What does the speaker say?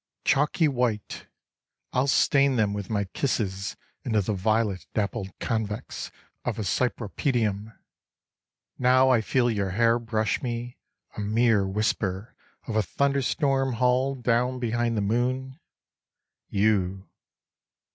" Chalky white; I'll stain them with my kisses into the violet dappled convex of a cypripedium. Now I feel your hair brush me, a mere whisper of a thunderstorm hull down behind the moon, you